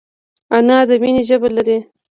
انا د مینې ژبه لري